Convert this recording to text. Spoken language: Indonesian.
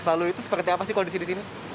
lalu itu seperti apa sih kondisi di sini